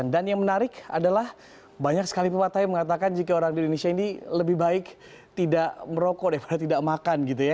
dan yang menarik adalah banyak sekali pemerintah yang mengatakan jika orang di indonesia ini lebih baik tidak merokok daripada tidak makan gitu ya